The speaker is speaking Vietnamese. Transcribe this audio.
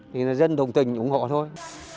thì là dân đồng tình ủng hộ thôi